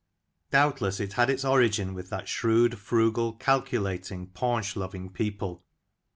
Doubtless, it had its origin with that shrewd, frugal, calculating, paunch loving people.